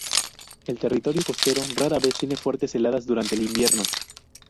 El territorio costero rara vez tiene fuertes heladas durante el invierno.